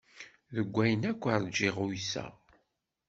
Deg wayen akk rǧiɣ uyseɣ.